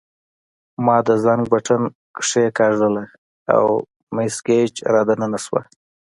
ما د زنګ بټن کښېکاږه او مس ګېج را دننه شوه.